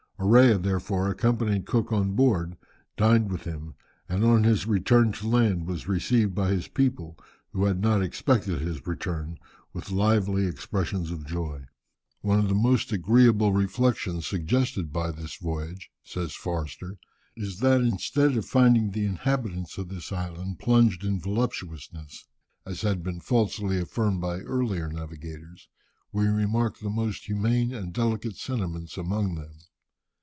Orea therefore accompanied Cook on board, dined with him, and on his return to land was received by his people, who had not expected his return, with lively expressions of joy. "One of the most agreeable reflections suggested by this voyage," says Forster, "is that instead of finding the inhabitants of this island plunged in voluptuousness, as had been falsely affirmed by earlier navigators, we remarked the most humane and delicate sentiments among them.